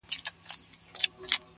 سترگي چي اوس نه برېښي د خدای له نور_